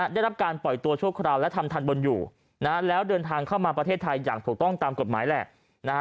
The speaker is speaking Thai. ได้รับการปล่อยตัวชั่วคราวและทำทันบนอยู่แล้วเดินทางเข้ามาประเทศไทยอย่างถูกต้องตามกฎหมายแหละนะฮะ